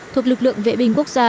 thuộc lực lượng vệ binh quốc gia